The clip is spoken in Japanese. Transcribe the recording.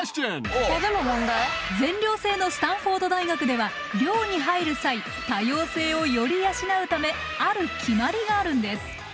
全寮制のスタンフォード大学では寮に入る際多様性をより養うためある決まりがあるんです。